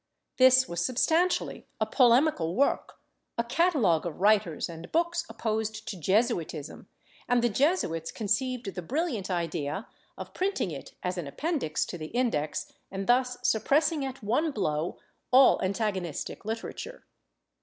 This was substantially a polemical work, a catalogue of writers and books opposed to Jesuitism, and the Jesuits conceived the brilliant idea of printing it as an appendix to the Index, and thus suppressing at one blow all antagonistic literature.